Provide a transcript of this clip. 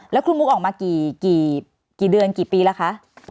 แล้วคุณมุกออกมากี่เดือนกี่ปีแล้วคะ